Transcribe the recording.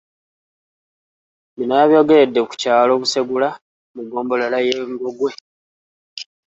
Bino yabyogeredde ku kyalo Busegula mu ggombolola y'e Ngogwe